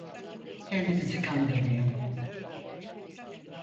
Kendimizi kandırmayalım.